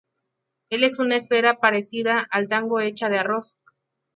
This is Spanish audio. El es una esfera parecida al dango hecha de arroz.